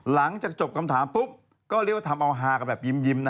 หลังจากจบคำถามปุ๊บก็เรียกว่าทำเอาฮากันแบบยิ้มนะ